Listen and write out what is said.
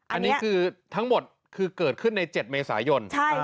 อันนี้คือทั้งหมดคือเกิดขึ้นใน๗เมษายน